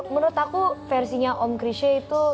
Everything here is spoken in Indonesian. menurut aku versinya om krisha itu